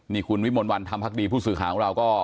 นี่คุณวิมลวันธรรมพักดีผู้สื่อข่าวของเราก็